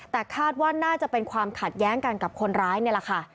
แต่คาดว่าน่าจะเป็นความขัดแย้งกันกับคนร้ายนี่แหละค่ะ